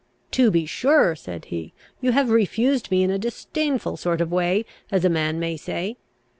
"To be sure," said he, "you have refused me in a disdainful sort of a way, as a man may say.